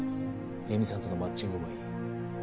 詠美さんとのマッチングもいい。